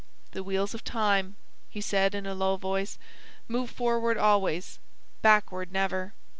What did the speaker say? "The wheels of time," he said in a low voice, "move forward always; backward, never."